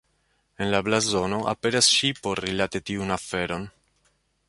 En la blazono aperas ŝipo rilate tiun aferon.